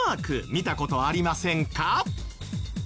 見た事ありませんか？